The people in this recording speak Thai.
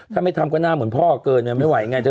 ถ้าไม่ทำก็หน้าเหมือนพ่อเกินไม่ไหวไงเธอ